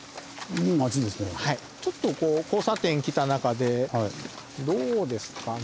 ちょっと交差点来た中でどうですかね？